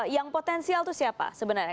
yang potensial itu siapa sebenarnya